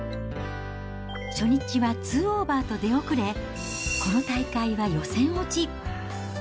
初日は２オーバーと出遅れ、この大会は予選落ち。